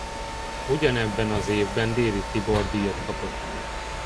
Ugyanebben az évben Déry Tibor-díjat kapott.